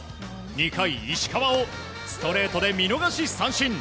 ２回、石川をストレートで見逃し三振。